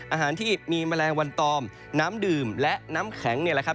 อาหารที่มีแมลงวันตอมน้ำดื่มและน้ำแข็งเนี่ยแหละครับ